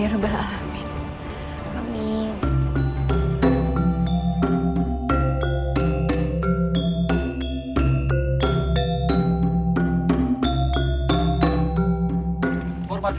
porbat kami gusti ratu